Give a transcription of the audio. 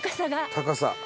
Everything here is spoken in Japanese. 高さ。